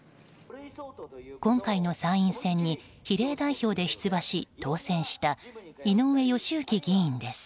今回の参院選に比例代表で出馬し当選した井上義行議員です。